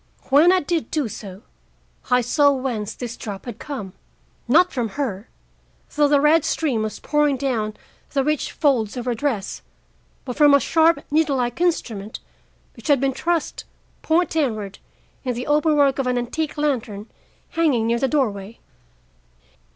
When I did do so, I saw whence this drop had come. Not from her, though the red stream was pouring down the rich folds of her dress, but from a sharp needle like instrument which had been thrust, point downward, in the open work of an antique lantern hanging near the doorway.